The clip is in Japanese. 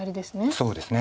そうですね。